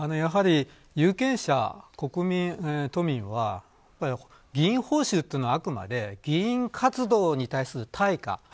有権者、国民、都民は議員報酬というのは、あくまで議員活動に対する対価。